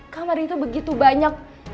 kamar itu begitu banyak